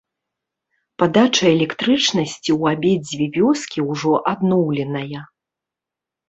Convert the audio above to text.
Падача электрычнасці ў абедзве вёскі ўжо адноўленая.